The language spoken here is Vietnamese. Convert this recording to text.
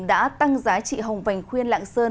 đã tăng giá trị hồng vành khuyên lạng sơn